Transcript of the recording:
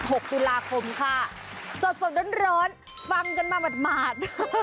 นวดวันที่๑๖ตุลาคมค่ะสอดร้อนฟังกันมาหมด